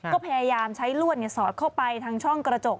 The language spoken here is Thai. ก็พยายามใช้ลวดสอดเข้าไปทางช่องกระจก